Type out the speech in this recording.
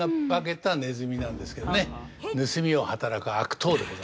盗みを働く悪党でございます。